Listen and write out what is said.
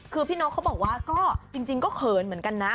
คือพี่นกเขาบอกว่าก็จริงก็เขินเหมือนกันนะ